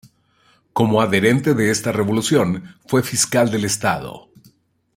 Como adherente de esta revolución, fue fiscal del estado.